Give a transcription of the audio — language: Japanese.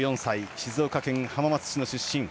静岡県浜松市の出身。